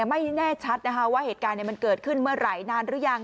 ไม่แน่ชัดนะคะว่าเหตุการณ์มันเกิดขึ้นเมื่อไหร่นานหรือยัง